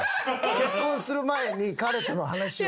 結婚する前に彼との話は。